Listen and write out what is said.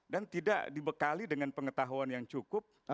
dan tidak dibekali dengan pengetahuan yang cukup